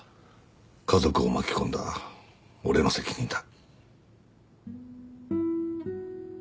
家族を巻き込んだ俺の責任だ。